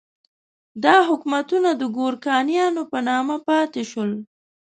دا حکومتونه د ګورکانیانو په نامه پاتې شول.